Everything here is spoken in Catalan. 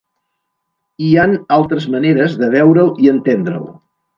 Hi han altres maneres de veure’l i entendre’l.